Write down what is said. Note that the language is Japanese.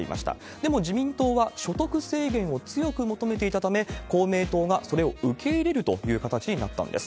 でも、自民党は所得制限を強く求めていたため、公明党がそれを受け入れるという形になったんです。